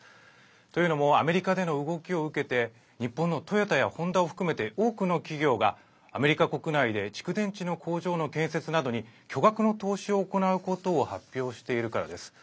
というのもアメリカでの動きを受けて日本のトヨタやホンダを含めて多くの企業がアメリカ国内で蓄電池の工場の建設などに巨額の投資を行うことを発表しているからです。